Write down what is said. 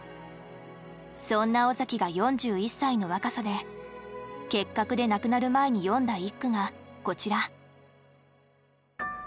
そんな尾崎が４１歳の若さで結核で亡くなる前に詠んだ一句がこちら。